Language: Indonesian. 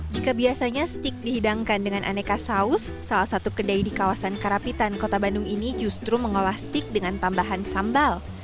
jika biasanya stik dihidangkan dengan aneka saus salah satu kedai di kawasan karapitan kota bandung ini justru mengolah stik dengan tambahan sambal